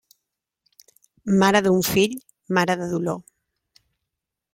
Mare d'un fill, mare de dolor.